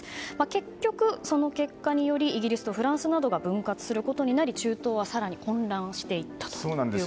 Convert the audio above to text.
結局、その結果によりイギリスとフランスなどが分割することになり中東は更に混乱していったということです。